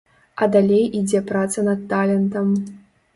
А далей ідзе праца над талентам.